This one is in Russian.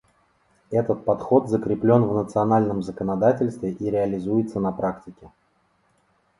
Этот подход закреплен в национальном законодательстве и реализуется на практике.